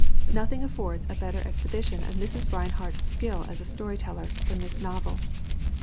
Nothing affords a better exhibition of Mrs. Rinehart's skill as a story teller than this novel.